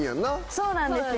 そうなんですよ。